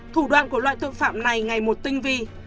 thủ đoạn của loại tội phạm này ngày một tinh vi